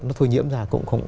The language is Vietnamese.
nó thùi nhiễm ra cũng không